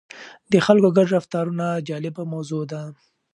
د خلکو ګډ رفتارونه جالبه موضوع ده.